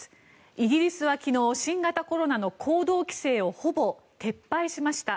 イギリスは昨日新型コロナの行動規制をほぼ撤廃しました。